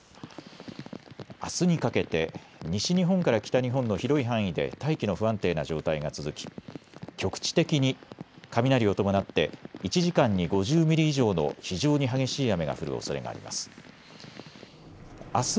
あすにかけて西日本から北日本の広い範囲で大気の不安定な状態が続き、局地的に雷を伴って１時間に５０ミリ以上の非常に激しい雨が降るおそれがあります。